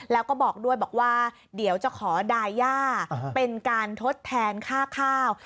แล้วก็บอกด้วยบอกว่าเดี๋ยวจะขอดาย่าเป็นการทดแทนค่าข้าว